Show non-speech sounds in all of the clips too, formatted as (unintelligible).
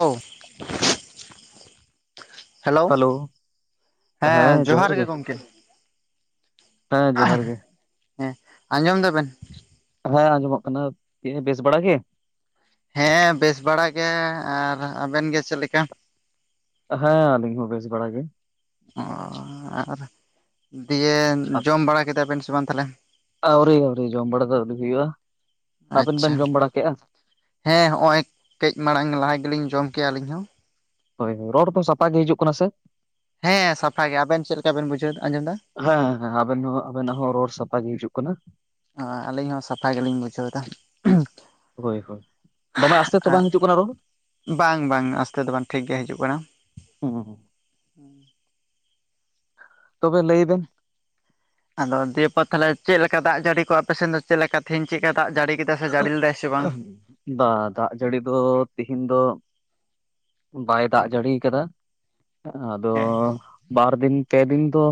ᱚᱸ ᱦᱮᱞᱳ, ᱦᱮᱸ ᱡᱚᱦᱟᱨ ᱜᱮ ᱜᱚᱢᱠᱮ ᱦᱮᱸ ᱡᱚᱦᱟᱨ ᱜᱮ ᱦᱮᱸ ᱟᱸᱡᱚᱢ ᱫᱟᱵᱮᱱ ᱦᱮᱸ ᱟᱸᱡᱚᱢᱚᱜ ᱠᱟᱱᱟ ᱛᱚ ᱵᱮᱥ ᱵᱟᱲᱟ ᱜᱮ? ᱦᱮᱸ ᱵᱮᱥ ᱵᱟᱲᱟ ᱜᱮ, ᱟᱨ ᱟᱵᱮᱱ ᱜᱮ ᱪᱮᱫ ᱞᱮᱠᱟ? ᱦᱮᱸ ᱟᱹᱞᱤᱧ ᱦᱚᱸ ᱵᱮᱥ ᱵᱟᱲᱟ ᱜᱮ᱾ ᱚ ᱟᱨ ᱫᱤᱭᱮ ᱟ- ᱡᱚᱢ ᱵᱟᱲᱟ ᱠᱮᱫᱟ ᱵᱮᱱ ᱥᱮ ᱵᱟᱝ ᱛᱟᱦᱞᱮ? ᱟᱹᱣᱨᱤ ᱟᱹᱣᱨᱤ ᱡᱚᱢ ᱵᱟᱲᱟ ᱫᱚ ᱟᱹᱣᱨᱤ ᱦᱩᱭᱩᱜᱼᱟ᱾ ᱟᱵᱮᱱ ᱟᱪᱪᱷᱟ ᱵᱮᱱ ᱡᱚᱢ ᱵᱟᱲᱟ ᱠᱮᱜ-ᱟ? ᱦᱮᱸ ᱦᱚᱜᱼᱚᱭ ᱠᱟᱹᱡ ᱢᱟᱲᱟᱝ ᱞᱟᱦᱟ ᱜᱮᱞᱤᱧ ᱡᱚᱢ ᱠᱮᱜᱼᱟ ᱟᱹᱞᱤᱧ ᱦᱚᱸ᱾ ᱦᱳᱭ ᱨᱚᱲ ᱫᱚ ᱥᱟᱯᱟᱜ ᱜᱮ ᱦᱤᱡᱩᱜ ᱠᱟᱱᱟ ᱥᱮ ᱦᱮᱸ ᱥᱟᱯᱷᱟ ᱜᱮᱭᱟ ᱟᱵᱮᱱ ᱪᱮᱫ ᱞᱮᱠᱟ ᱵᱮᱱ ᱵᱩᱡᱷᱟᱹᱣ ᱟᱸᱡᱚᱢᱫᱟ? ᱦᱮᱸ ᱦᱮᱸ ᱟᱵᱮᱱ ᱦᱚᱸ ᱟᱵᱮᱱᱟᱜ ᱦᱚᱸ ᱨᱚᱲ ᱥᱟᱯᱷᱟ ᱜᱮ ᱦᱤᱡᱩᱜ ᱠᱟᱱᱟ᱾ ᱟᱹᱞᱤᱧ ᱦᱚᱸ ᱥᱟᱯᱷᱟ ᱜᱮᱞᱤᱧ ᱵᱩᱡᱷᱟᱹᱣ ᱫᱟ ᱦᱳᱭ ᱦ ᱫᱚᱢᱮ ᱟᱥᱛᱮ ᱛᱚ ᱵᱟᱝ ᱦᱤᱡᱩᱜ ᱠᱟᱱᱟ ᱨᱚᱲ? ᱵᱟᱝ ᱵᱟᱝ ᱟᱥᱛᱮ ᱫᱚ ᱵᱟᱝ ᱴᱷᱤᱠ ᱜᱮ ᱦᱤᱡᱩᱜ ᱠᱟᱱᱟ᱾ ᱦᱩᱸ ᱦᱩᱸ ᱛᱚᱵᱮ ᱞᱟᱹᱭ ᱵᱮᱱ ᱟᱫᱚ ᱫᱤᱭᱮᱯᱚᱨ ᱛᱟᱦᱚᱞᱮ ᱪᱮᱫ ᱞᱮᱠᱟ ᱫᱟᱜ ᱡᱟᱹᱲᱤ ᱠᱚ ᱟᱯᱮ ᱥᱮᱫ ᱫᱚ ᱪᱮᱫ ᱞᱮᱠᱟ ᱛᱮᱦᱣᱧ ᱪᱮᱫ ᱞᱮᱠᱟ ᱫᱟᱜ ᱡᱟᱹᱲᱤ (inaudible) ᱥᱮ ᱡᱟᱹᱲᱤ ᱞᱮᱫᱟᱭ ᱥᱮ ᱵᱟᱝ ᱵᱟ ᱫᱟᱜ ᱡᱟᱹᱲᱤ ᱫᱚ ᱛᱤᱦᱮᱧ ᱫᱚ ᱵᱟᱭ ᱫᱟᱜ ᱡᱟᱹᱲᱤ ᱠᱟᱫᱟ ᱟᱫᱚ ᱦᱮᱸ ᱵᱟᱨ ᱫᱤᱱ ᱯᱮ ᱫᱤᱱ ᱫᱚ